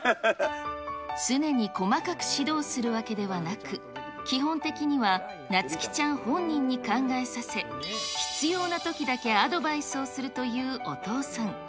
常に細かく指導するわけではなく、基本的にはなつ希ちゃん本人に考えさせ、必要なときだけアドバイスをするというお父さん。